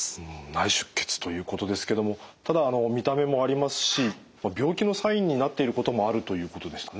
内出血ということですけどもただ見た目もありますし病気のサインになっていることもあるということでしたね。